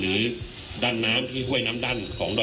คุณผู้ชมไปฟังผู้ว่ารัฐกาลจังหวัดเชียงรายแถลงตอนนี้ค่ะ